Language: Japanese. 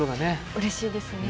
うれしいですね。